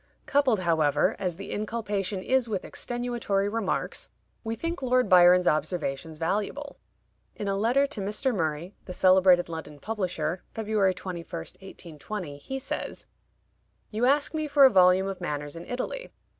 Coupled, however, as the inculpation is with extenuatory remarks, we think Lord Byron's observations valuable. In a letter to Mr. Murray, the celebrated London publisher (February 21, 1820), he says: "You ask me for a volume of manners in Italy.